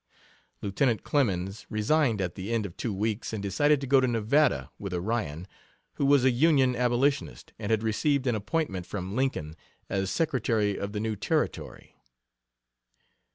Lieutenant Clemens resigned at the end of two weeks, and decided to go to Nevada with Orion, who was a Union abolitionist and had received an appointment from Lincoln as Secretary of the new Territory.